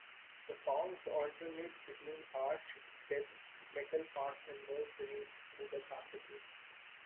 The songs alternate between harsh death metal parts and more serene, smoother passages.